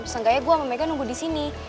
seenggaknya gue sama megan nunggu disini